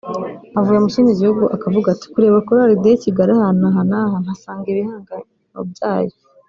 avuye mu kindi gihugu aakavuga ati kureba Chorale de Kigali ahantu aha n'aha mpasange ibihangano byayo